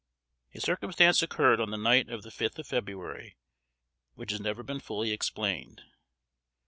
A circumstance occurred on the night of the fifth of February, which has never been fully explained.